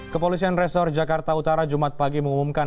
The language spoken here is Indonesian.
kepolisian resor jakarta utara jumat pagi mengumumkan